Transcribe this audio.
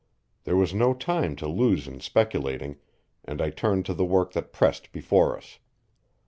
There was no time to lose in speculating, and I turned to the work that pressed before us.